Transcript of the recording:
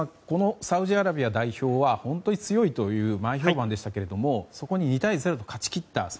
このサウジアラビア代表は本当に強いという前評判でしたけれどもそこに２対０で勝ち切った。